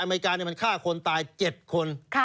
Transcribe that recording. อเมริกามันฆ่าคนตาย๗คน